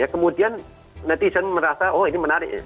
kemudian netizen merasa oh ini menarik